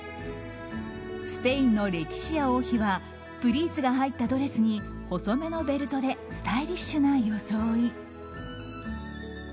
スペインのレティシア王妃はプリーツが入ったドレスに細めのベルトでスタイリッシュな装い。